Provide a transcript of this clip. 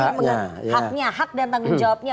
mengenai haknya hak dan tanggung jawabnya